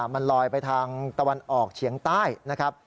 มันลอยไปทางตะวันออกเฉียงใต้นะครับ